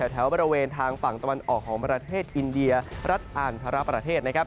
แถวบริเวณทางฝั่งตะวันออกของประเทศอินเดียรัฐอ่านทรประเทศนะครับ